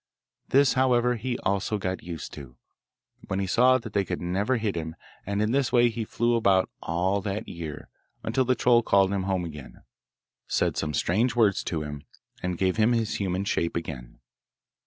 This, however, he also got used to, when he saw that they could never hit him, and in this way he flew about all that year, until the troll called him home again, said some strange words to him, and gave him his human shape again.